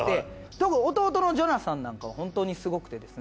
特に弟のジョナサンなんかは本当にすごくてですね